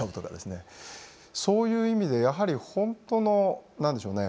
そういう意味でやはり本当の何でしょうね？